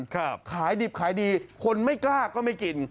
ขายดิบขายดีคนไม่กล้าก็ไม่กิน